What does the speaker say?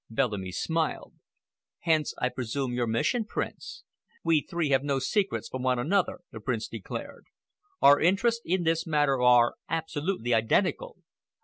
Bellamy smiled. "Hence, I presume, your mission, Prince." "We three have no secrets from one another," the Prince declared. "Our interests in this matter are absolutely identical.